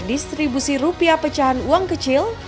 dan distribusi rupiah pecahan uang kecil